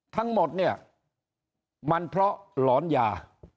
ทั้งหมดเนี่ยมันเพราะหลอนยา